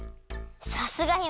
さすが姫！